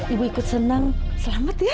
ibu ikut senang selamat ya